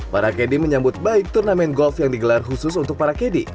para kd menyambut baik turnamen golf yang digelar khusus untuk para kd